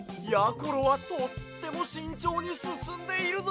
ころはとってもしんちょうにすすんでいるぞ。